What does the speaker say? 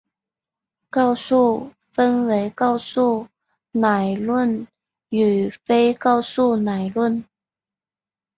告诉分为告诉乃论与非告诉乃论。